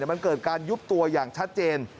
มันเกิดการยุบตัวอย่างชัดเจน